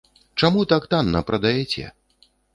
Чаму так танна прадаяце?